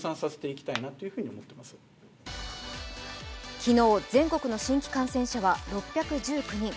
昨日、全国の新規感染者は６１９人。